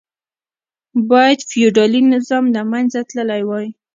باید فیوډالي نظام له منځه تللی وای.